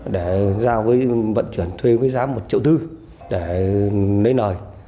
để giao với vận chuyển thuê với giá một triệu thư để lấy nời